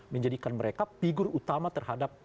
menjadikan mereka figur utama terhadap